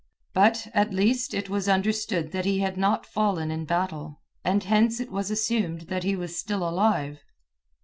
But, at least, it was understood that he had not fallen in battle, and hence it was assumed that he was still alive.